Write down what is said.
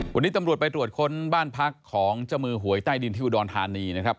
วันนี้ตำรวจไปตรวจค้นบ้านพักของเจ้ามือหวยใต้ดินที่อุดรธานีนะครับ